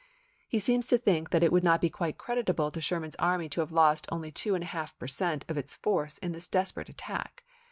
He seems to think that it would not be quite creditable to Sherman's army to have lost «JN£?rat£e only two and a half per cent, of its force in this ^qJSX?7 desperate attack.